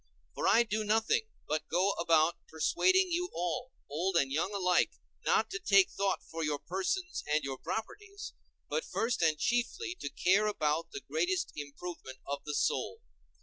For I do nothing but go about persuading you all, old and young alike, not to take thought for your persons and your properties, but first and chiefly to care about the greatest improvement of the soul.